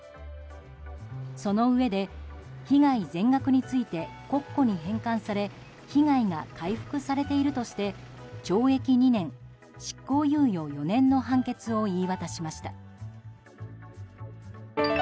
そのうえで、被害全額について国庫に返還され被害が回復されているとして懲役２年、執行猶予４年の判決を言い渡しました。